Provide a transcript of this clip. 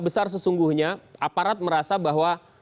besar sesungguhnya aparat merasa bahwa